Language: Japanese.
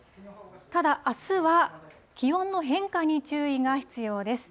ただ、あすは気温の変化に注意が必要です。